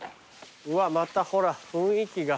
うわまたほら雰囲気が。